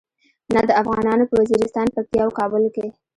نه د افغانانو په وزیرستان، پکتیا او کابل کې.